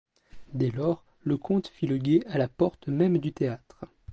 Dès lors, le comte fit le guet à la porte même du théâtre.